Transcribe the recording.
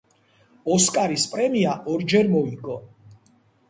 ოსკარის პრემია ორჯერ მოიგო.